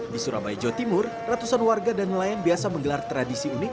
di surabaya jawa timur ratusan warga dan nelayan biasa menggelar tradisi unik